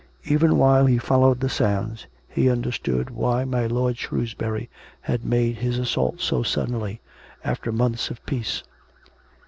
Even while he followed COME RACK! COME ROPE! 395 the sounds, he understood why my lord Shrewsbury had made this assault so suddenly, after months of peace.